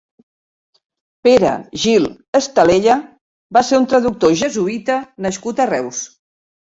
Pere Gil Estalella va ser un traductor Jesuïta nascut a Reus.